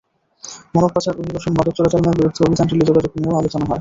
মানব পাচার, অভিবাসন, মাদক চোরাচালানের বিরুদ্ধে অভিযান, টেলিযোগাযোগ নিয়েও আলোচনা হয়।